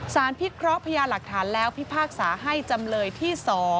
พิเคราะห์พญาหลักฐานแล้วพิพากษาให้จำเลยที่๒